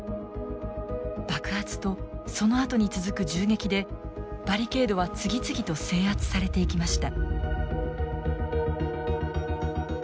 爆発とそのあとに続く銃撃でバリケードは次々と制圧されていきました。